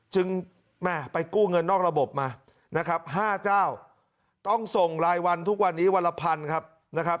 แม่ไปกู้เงินนอกระบบมานะครับ๕เจ้าต้องส่งรายวันทุกวันนี้วันละพันครับนะครับ